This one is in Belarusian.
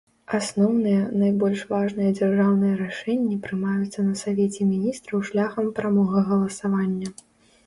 Асноўныя, найбольш важныя дзяржаўныя рашэнні прымаюцца на савеце міністраў шляхам прамога галасавання.